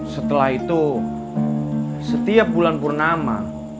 setelah itu setiap bulan purnama